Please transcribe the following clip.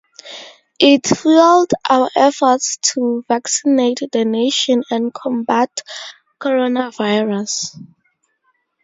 It fueled our efforts to vaccinate the nation and combat coronavirus.